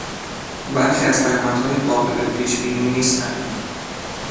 برخی از پیامدها قابل پیش بینی نیستند.